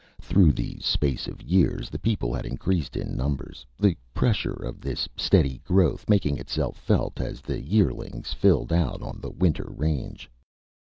Through the space of years, the people had increased in numbers, the pressure of this steady growth making itself felt as the yearlings filled out on the winter range.